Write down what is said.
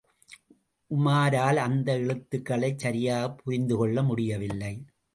உமாரால் அந்த எழுத்துக்களைச் சரியாகப் புரிந்து கொள்ள முடியவில்லை.